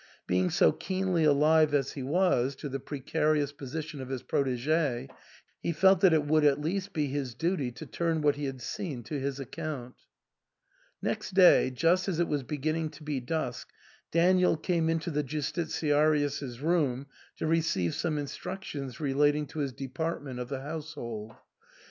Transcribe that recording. Being so keenly alive as he was to the precarious position of his prot/g/y he felt that it would at least be his duty to turn what he had seen to his account. Next day, just as it was beginning to be dusk, Daniel came into the Justitiarius's room to receive some in structions relating to his department of the household.